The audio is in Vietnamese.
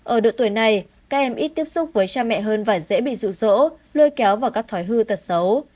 ở độ tuổi này các em ít tiếp xúc với cha mẹ hơn và dễ bị rụ rỗ lôi kéo vào các thói hư tật xấu